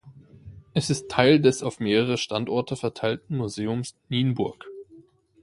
Es ist Teil des auf mehrere Standorte verteilten Museums Nienburg.